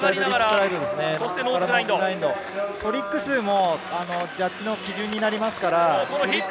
トリック数もジャッジの基準になります。